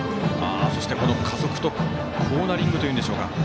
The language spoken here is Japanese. この加速とコーナリングというんでしょうか。